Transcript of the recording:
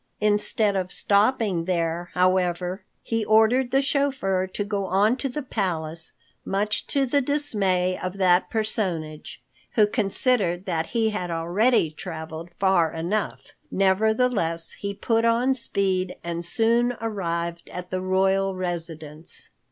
Instead of stopping there, however, he ordered the chauffeur to go on to the palace, much to the dismay of that personage, who considered that he had already traveled far enough. Nevertheless he put on speed and soon arrived at the royal residence.